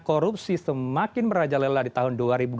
dan korupsi semakin merajalela di tahun dua ribu dua puluh dua